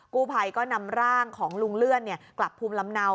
กู้ภัยก็นำร่างของลุงเลื่อนกลับภูมิลำเนา